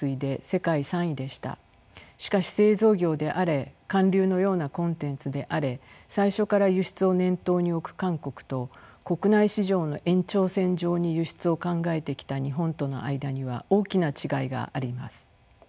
しかし製造業であれ韓流のようなコンテンツであれ最初から輸出を念頭に置く韓国と国内市場の延長線上に輸出を考えてきた日本との間には大きな違いがあります。